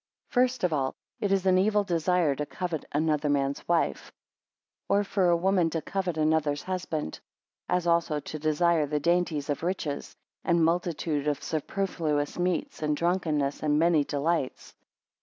4 First of all, it is an evil desire to covet another man's wife, or for a woman to covet another's husband; as also to desire the dainties of riches; and multitude of superfluous meats; and drunkenness; and many delights.